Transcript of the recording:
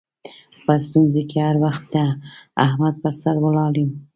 په ستونزو کې هر وخت د احمد پر سر ولاړ یم.